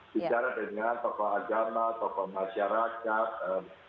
bicara dengan tokoh agama tokoh masyarakat